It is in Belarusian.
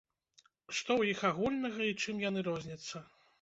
Што ў іх агульнага і чым яны розняцца?